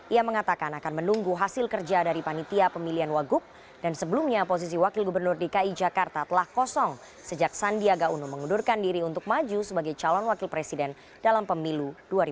ia mengatakan akan menunggu hasil kerja dari panitia pemilihan wagub dan sebelumnya posisi wakil gubernur dki jakarta telah kosong sejak sandiaga uno mengundurkan diri untuk maju sebagai calon wakil presiden dalam pemilu dua ribu sembilan belas